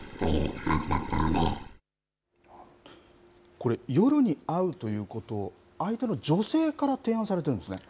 これ、夜に会うということ、相手の女性から提案されてるんですね。